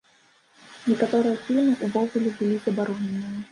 Некаторыя фільмы ўвогуле былі забароненыя.